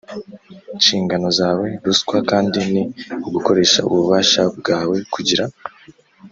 nshingano zawe. Ruswa kandi ni ugukoresha ububasha bwawe kugira